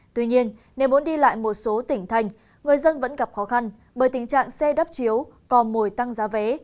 tuy nhiên nếu muốn đi lại một số tỉnh thành người dân vẫn gặp khó khăn bởi tình trạng xe đắp chiếu cò mồi tăng giá vé